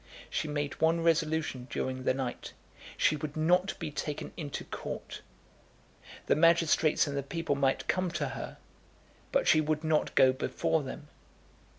She made one resolution during the night. She would not be taken into court. The magistrates and the people might come to her, but she would not go before them.